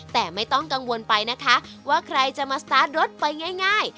แต่ไม่ต้องกังวลไปนะคะว่าใครจะมาสตาร์ทรถไปง่าย